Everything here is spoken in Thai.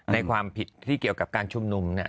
ในความผิดที่เกี่ยวกับการชุมนุมเนี่ย